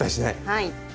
はい。